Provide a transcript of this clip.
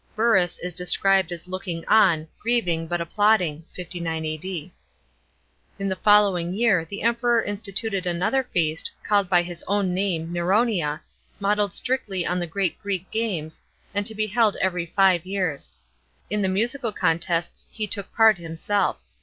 Burrus is described as looking on, " grieving, but applauding " (59 A.D.). In the following year, the Emperor instituted another feast, called by his own name Neronia, modelled strictly on the great Greek games, and to be held every fi>e years. In the musical contests he took part himself.